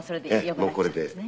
もうこれで。